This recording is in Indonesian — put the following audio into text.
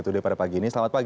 selamat pagi salam sehat bang